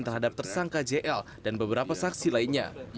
terhadap tersangka jl dan beberapa saksi lainnya